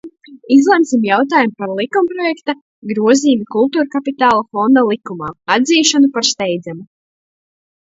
"Izlemsim jautājumu par likumprojekta "Grozījumi Kultūrkapitāla fonda likumā" atzīšanu par steidzamu."